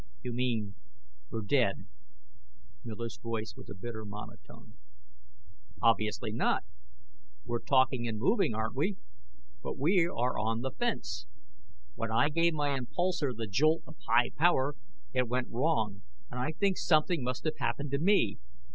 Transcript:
"You mean we're dead!" Miller's voice was a bitter monotone. "Obviously not. We're talking and moving, aren't we? But we are on the fence. When I gave my impulsor the jolt of high power, it went wrong and I think something must have happened to me.